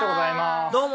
どうも！